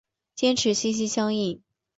坚持心心相印。